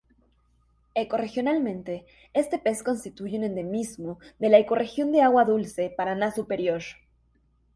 Ecorregionalmente este pez constituye un endemismo de la ecorregión de agua dulce Paraná superior.